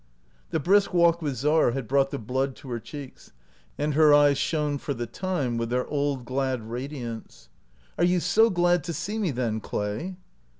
The brisk walk with Czar had brought the blood to her cheeks, and her eyes shone for the time with their old glad radiance. " Are you so glad to see me then, Clay